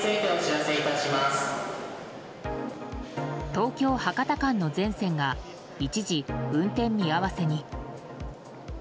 東京博多間の全線が一時、運転見合わせに。